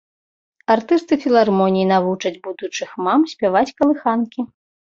Артысты філармоніі навучаць будучых мам спяваць калыханкі.